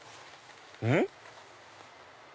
うん？